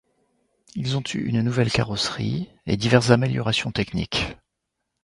Ils ont eu une nouvelle carrosserie et diverses améliorations techniques.